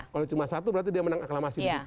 kalau cuma satu berarti dia menang aklamasi